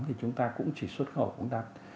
thì chúng ta cũng chỉ xuất khẩu cũng đạt